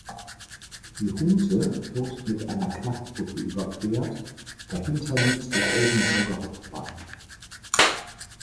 Die Hunte wird mit einer Klappbrücke überquert, dahinter liegt der Oldenburger Hauptbahnhof.